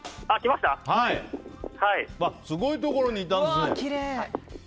すごいところにいたんですね。